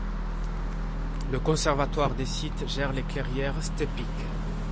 Le Conservatoire des sites gère les clairières steppiques.